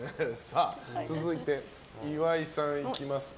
続いて、岩井さんいきますか。